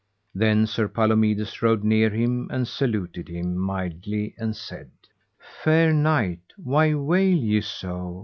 Then Sir Palomides rode near him and saluted him mildly and said: Fair knight, why wail ye so?